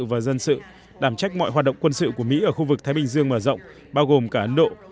và dân sự đảm trách mọi hoạt động quân sự của mỹ ở khu vực thái bình dương mở rộng bao gồm cả ấn độ